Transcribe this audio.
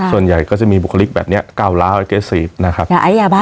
ส่วนใหญ่ก็จะมีบุคลิกแบบเนี้ยกาวล้านะครับยาไอยาบ้า